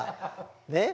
ねっ？